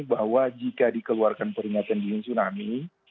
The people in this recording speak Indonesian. bahwa jika dikeluarkan peringatan di sini tsunami